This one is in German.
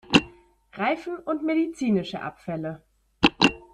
Reifen und medizinische Abfälle.